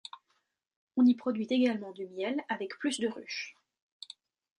On y produit également du miel, avec plus de ruches.